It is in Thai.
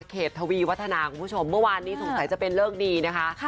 ทวีวัฒนาคุณผู้ชมเมื่อวานนี้สงสัยจะเป็นเลิกดีนะคะ